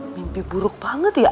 mimpi buruk banget ya